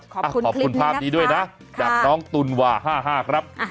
ขอบคุณคลิปนี้นะครับขอบคุณภาพดีด้วยนะจากน้องตุนวา๕๕ครับ